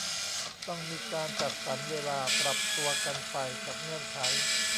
ต้องมีการจัดสรรเวลา ปรับตัวกันไปกับเงื่อนไข